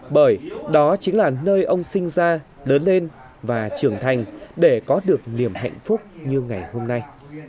bởi đó chính là nơi ông sinh ra lớn lên và trưởng thành để có được niềm hạnh phúc như ngày hôm nay